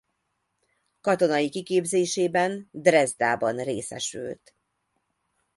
Katonai kiképzésében Drezdában részesült.